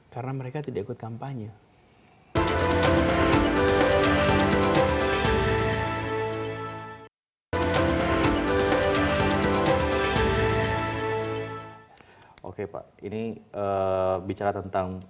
karena mereka tidak ikut kampanye